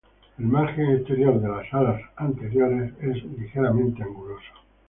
El margen exterior de las alas anteriores es ligeramente anguloso.